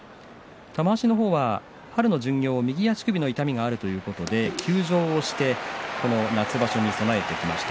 玉鷲の方は春の巡業右足首の痛みがあるということで休場してこの夏場所に備えてきました。